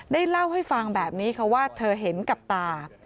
เล่าให้ฟังแบบนี้ค่ะว่าเธอเห็นกับตา